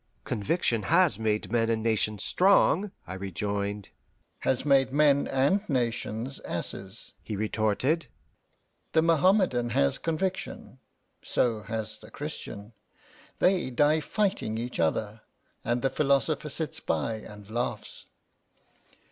"Conviction has made men and nations strong," I rejoined. "Has made men and nations asses," he retorted. "The Mohammmedan has conviction, so has the Christian: they die fighting each other, and the philosopher sits by and laughs.